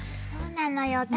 そうなのよ。